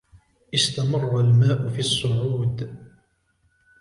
استمرّ الماء في الصّعود.